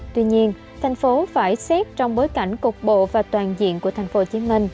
tuy nhiên tp hcm phải xét trong bối cảnh cục bộ và toàn diện của tp hcm